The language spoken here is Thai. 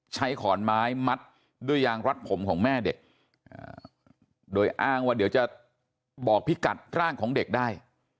ขอนไม้มัดด้วยยางรัดผมของแม่เด็กโดยอ้างว่าเดี๋ยวจะบอกพิกัดร่างของเด็กได้